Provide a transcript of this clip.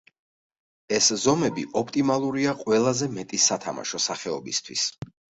ეს ზომები ოპტიმალურია ყველაზე მეტი სათამაშო სახეობისთვის.